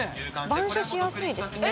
「板書しやすいですね」